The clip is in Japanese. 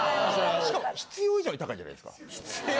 しかも必要以上に高いじゃないですか。